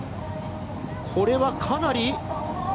これはかなり。